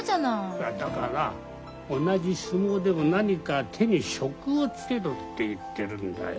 いやだから同じ相撲でも何か手に職をつけろって言ってるんだよ。